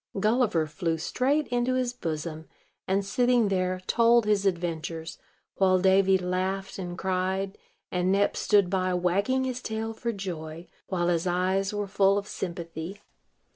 Gulliver flew straight into his bosom, and, sitting there, told his adventures; while Davy laughed and cried, and Nep stood by, wagging his tail for joy, while his eyes were full of sympathy.